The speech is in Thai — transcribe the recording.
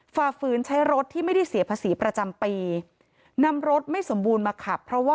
ฝ่าฝืนใช้รถที่ไม่ได้เสียภาษีประจำปีนำรถไม่สมบูรณ์มาขับเพราะว่า